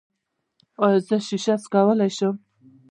ایا زه شیشې څکولی شم؟